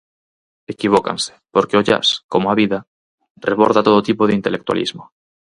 Equivócanse, porque o jazz, como a vida, reborda todo tipo de intelectualismo.